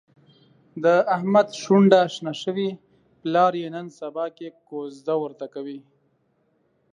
د احمد شونډه شنه شوې، پلار یې نن سباکې کوزده ورته کوي.